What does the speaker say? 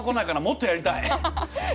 もっとやりたい！